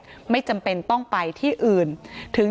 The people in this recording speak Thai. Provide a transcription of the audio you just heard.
การแก้เคล็ดบางอย่างแค่นั้นเอง